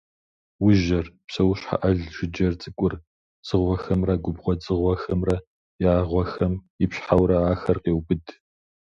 Ужьэр, псэущхьэ ӏэл жыджэр цӏыкӏур, дзыгъуэхэмрэ губгъуэ дзыгъуэхэмрэ я гъуэхэм ипщхьэурэ ахэр къеубыд.